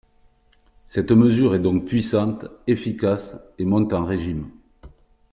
Cette mesure est donc puissante, efficace, et monte en régime.